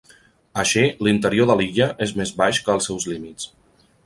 Així, l'interior de l'illa és més baix que els seus límits.